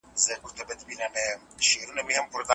لويه جرګه د شخړو د پای ته رسولو واک لري.